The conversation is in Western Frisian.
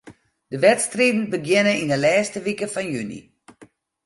De wedstriden begjinne yn 'e lêste wike fan juny.